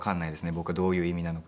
僕どういう意味なのか。